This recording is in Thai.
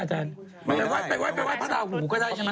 อาจารย์อาชาริย์หนาลายทรงพุธได้